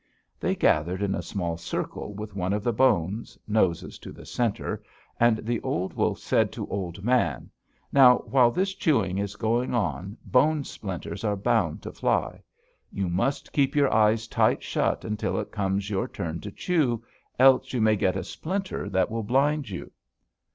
"They gathered in a small circle with one of the bones, noses to the center, and the old wolf said to Old Man: 'Now, while this chewing is going on, bone splinters are bound to fly. You must keep your eyes tight shut until it comes your turn to chew, else you may get a splinter that will blind you.'